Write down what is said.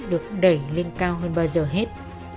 được đẩy lên cao hơn ba giờ hết